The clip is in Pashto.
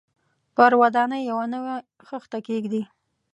پر ودانۍ یوه نوې خښته کېږدي.